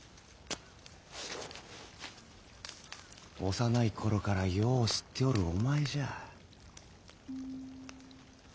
幼い頃からよう知っておるお前じゃ。